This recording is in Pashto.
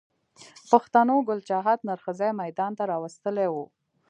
پښتنو ګل چاهت نر ښځی ميدان ته را وستلی و